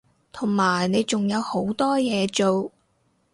同埋你仲有好多嘢做